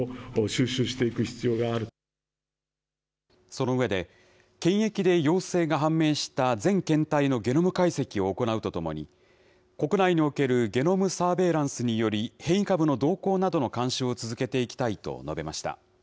その上で、検疫で陽性が判明した全検体のゲノム解析を行うとともに、国内におけるゲノムサーベイランスにより、変異株の動向などの監視を続けていきたいと述べました。